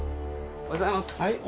おはようございます。